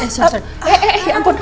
eh eh eh ya ampun